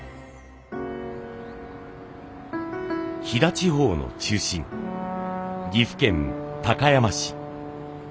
飛騨地方の中心岐阜県高山市。